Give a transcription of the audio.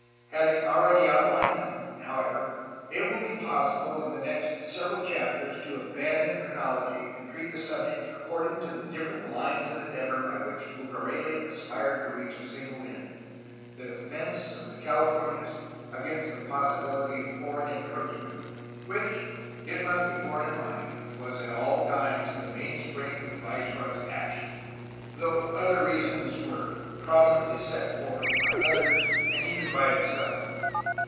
Having already outlined them, however, it will be possible in the next several chapters to abandon chronology and treat the subject according to the different lines of endeavor by which Bucareli aspired to reach a single end, — the defence of the Californias against the possibility of foreign encroachment, which, it must be borne in mind, was at all times the main spring of the viceroy's action, though other reasons were prominently set forth by others and even by himself.